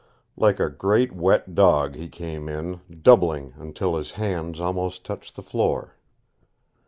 Like a great wet dog he came in, doubling until his hands almost touched the floor.